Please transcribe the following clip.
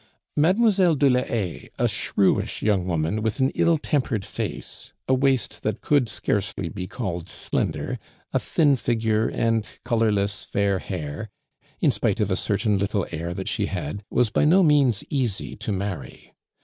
Mlle. de la Haye, a shrewish young woman with an ill tempered face, a waist that could scarcely be called slender, a thin figure, and colorless, fair hair, in spite of a certain little air that she had, was by no means easy to marry.